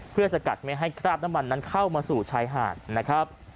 เพื่อสกัดไม่ให้คราบน้ำมันนั้นเข้ามาสู่ชายหาดนะครับ